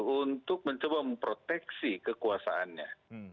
untuk mencoba memproteksi kekuasaannya